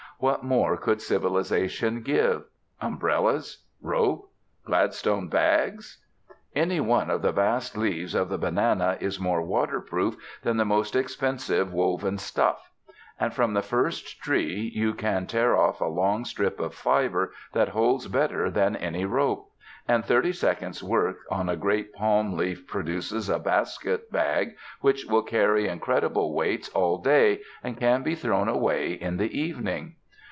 What more could civilisation give? Umbrellas? Rope? Gladstone bags?.... Any one of the vast leaves of the banana is more waterproof than the most expensive woven stuff. And from the first tree you can tear off a long strip of fibre that holds better than any rope. And thirty seconds' work on a great palm leaf produces a basket bag which will carry incredible weights all day, and can be thrown away in the evening.